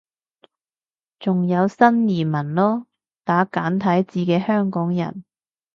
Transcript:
仲有新移民囉，打簡體字嘅香港人